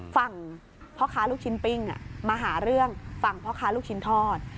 ฝั่งพ่อค้าลูกชิ้นปิ้งมาหาเรื่องฝั่งพ่อค้าลูกชิ้นทอด